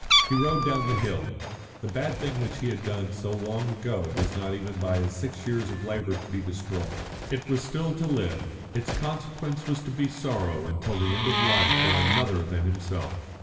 He rode down the hill. The bad thing which he had done so long ago was not even by his six years of labour to be destroyed. It was still to live, its consequence was to be sorrow till the end of life for another than himself.